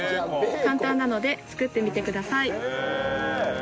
簡単なので作ってみてください。